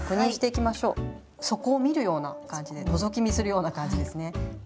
底を見るような感じでのぞき見するような感じですね。